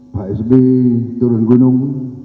pak sb turun gunung